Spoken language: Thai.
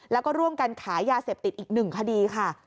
แล้วก็ร่วมกันขายยาเสพติดอีก๑คดีค่ะ